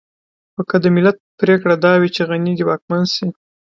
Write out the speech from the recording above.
خو که د ملت پرېکړه دا وي چې غني دې واکمن شي.